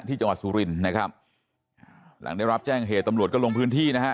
จังหวัดสุรินนะครับหลังได้รับแจ้งเหตุตำรวจก็ลงพื้นที่นะฮะ